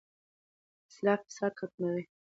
اصلاح فساد ختموي.